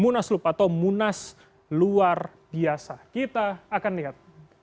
munas lub atau munas luar biasa kita akan lihat